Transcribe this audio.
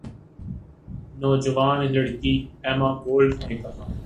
نوجوان لڑکی Emma Gold نے کہا